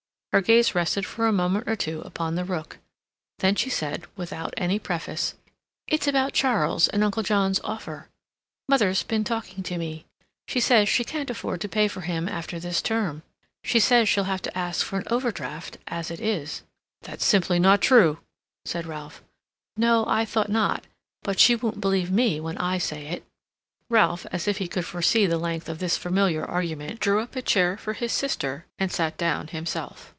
Her gaze rested for a moment or two upon the rook. She then said, without any preface: "It's about Charles and Uncle John's offer.... Mother's been talking to me. She says she can't afford to pay for him after this term. She says she'll have to ask for an overdraft as it is." "That's simply not true," said Ralph. "No. I thought not. But she won't believe me when I say it." Ralph, as if he could foresee the length of this familiar argument, drew up a chair for his sister and sat down himself.